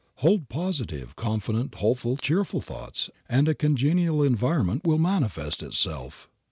Hold positive, confident, hopeful, cheerful thoughts and a congenial environment will manifest itself.